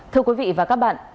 thưa quý vị và các bạn